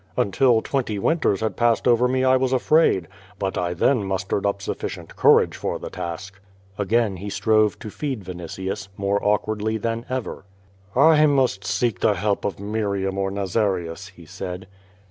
"Until twenty winters had passed over me I was afraid. But I then mustered up sufficient courage for the task." 2o6 ^^^ VADIS. Again he strove to feed Vinitius, more awkwardly than ever. "I must seek the help of Miriam or Xa^arius," he said.